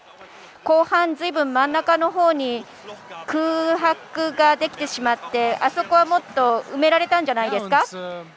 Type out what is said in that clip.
後半、ずいぶん真ん中の方に空白ができてしまってあそこはもっと埋められたんじゃないですか。